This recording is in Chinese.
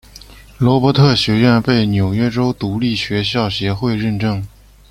罗伯特学院被纽约州独立学校协会认证。